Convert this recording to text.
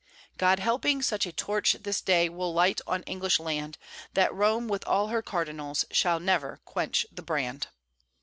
God helping, such a torch this day We'll light on English land, That Rome, with all her cardinals, Shall never quench the brand!"